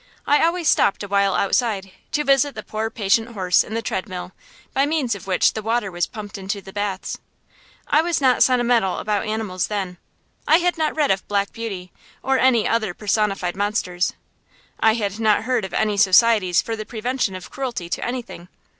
I always stopped awhile outside, to visit the poor patient horse in the treadmill, by means of which the water was pumped into the baths. I was not sentimental about animals then. I had not read of "Black Beauty" or any other personified monsters; I had not heard of any societies for the prevention of cruelty to anything.